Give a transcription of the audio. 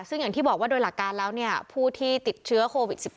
ซึ่งอย่างที่บอกว่าโดยหลักการแล้วผู้ที่ติดเชื้อโควิด๑๙